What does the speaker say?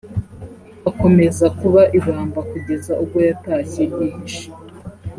akomeza kuba ibamba kugeza ubwo yatashye yihishe